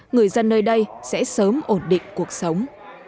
người dân nơi đây sẽ sớm ổn định cuộc sống